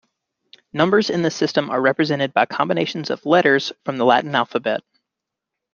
Numbers in this system are represented by combinations of letters from the Latin alphabet.